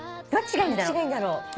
どっちがいいんだろう。